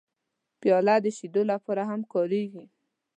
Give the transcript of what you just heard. پیاله د شیدو لپاره هم کارېږي.